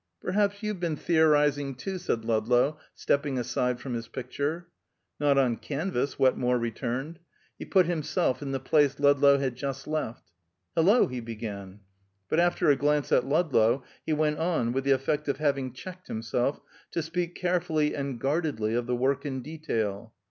"Perhaps you've boon theorizing, too," said Ludlow, stepping aside from his picture. "Not on canvas," Wetmore returned. He put himself in the place Ludlow had just left. "Hello!" he began, but after a glance at Ludlow he went on, with the effect of having checked himself, to speak carefully and guardedly of the work in detail.